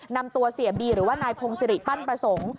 นำตัวเสียบีหรือว่านายพงศิริปั้นประสงค์